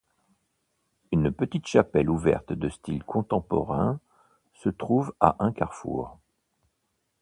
Une petite chapelle ouverte de style contemporain se trouve à un carrefour.